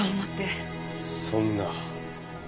そんな。